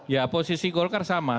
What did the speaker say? ya posisi golkar sama